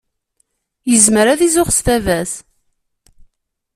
Yezmer ad izuxx s baba-s.